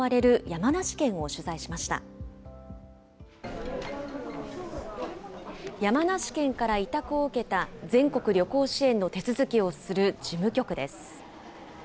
山梨県から委託を受けた、全国旅行支援の手続きをする事務局です。